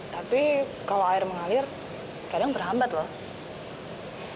tapi kalau air mengalir kadang berhambat loh